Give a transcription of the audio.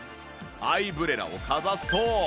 アイブレラをかざすと